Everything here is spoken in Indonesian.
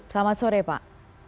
selamat sore pak